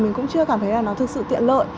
mình cũng chưa cảm thấy là nó thực sự tiện lợi